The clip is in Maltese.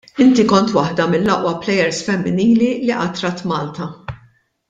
Inti kont waħda mill-aqwa plejers femminili li qatt rat Malta.